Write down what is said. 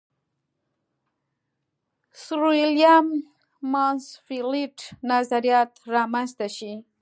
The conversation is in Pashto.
سرویلیم مانسفیلډ نظریات را منځته شي.